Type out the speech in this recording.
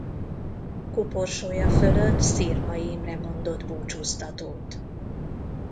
Koporsója fölött Szirmai Imre mondott búcsúztatót.